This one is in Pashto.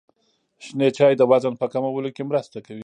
شنې چايي د وزن په کمولو کي مرسته کوي.